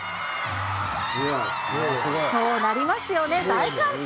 そうなりますよね、大歓声。